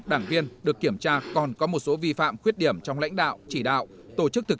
đảng viên được kiểm tra còn có một số vi phạm khuyết điểm trong lãnh đạo chỉ đạo tổ chức thực